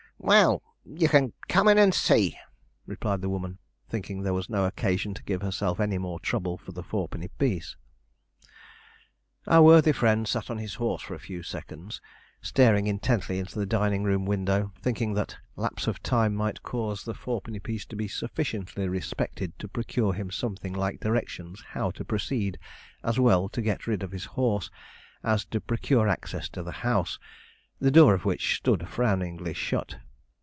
'Well, you can come in and see,' replied the woman, thinking there was no occasion to give herself any more trouble for the fourpenny piece. Our worthy friend sat on his horse a few seconds staring intently into the dining room window, thinking that lapse of time might cause the fourpenny piece to be sufficiently respected to procure him something like directions how to proceed as well to get rid of his horse, as to procure access to the house, the door of which stood frowningly shut.